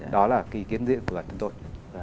đó là kỳ kiến diễn của tụi tôi